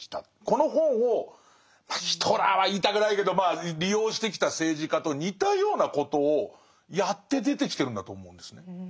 この本をまあヒトラーは言いたくないけど利用してきた政治家と似たようなことをやって出てきてるんだと思うんですね。